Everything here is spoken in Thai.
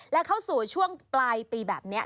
และเข้าสู่ช่วงปลายปีแบบนี้